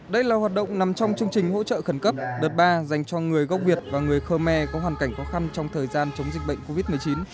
đây là hoạt động nằm trong chương trình hỗ trợ khẩn cấp đợt ba dành cho người gốc việt và người khơ me có hoàn cảnh khó khăn trong thời gian chống dịch bệnh covid một mươi chín